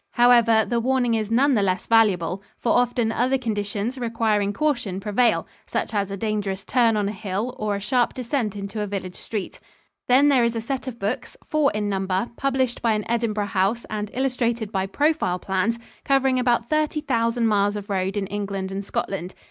However, the warning is none the less valuable, for often other conditions requiring caution prevail, such as a dangerous turn on a hill or a sharp descent into a village street. Then there is a set of books, four in number, published by an Edinburgh house and illustrated by profile plans, covering about thirty thousand miles of road in England and Scotland.